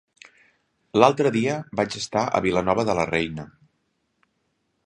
L'altre dia vaig estar a Vilanova de la Reina.